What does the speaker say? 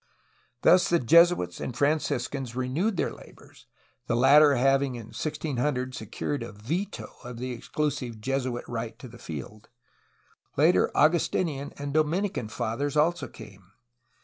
Thus the Jesuits and Franciscans renewed their labors, the latter having in 1600 secured a veto of the exclusive Jesuit right to the field. Later, Augus tinian and Dominican Fathers also came.